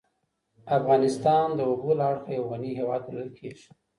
افغانستان د اوبو له اړخه یو غنی هېواد بلل کېږی.